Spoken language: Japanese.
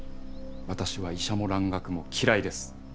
私は医者も蘭学も嫌いです！